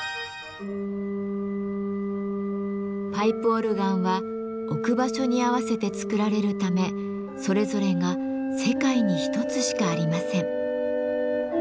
パイプオルガンは置く場所に合わせて作られるためそれぞれが世界に一つしかありません。